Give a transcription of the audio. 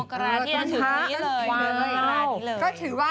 ชุดนี้เลยก็ถือว่า